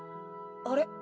あれ？